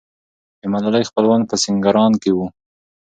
د ملالۍ خپلوان په سینګران کې وو.